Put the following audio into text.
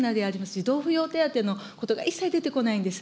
児童扶養手当のことが一切出てこないんです。